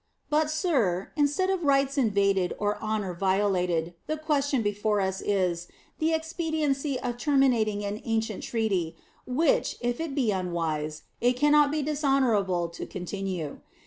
But, sir, instead of rights invaded or honor violated, the question before us is, the expediency of terminating an ancient treaty, which, if it be unwise, it can not be dishonorable, to continue.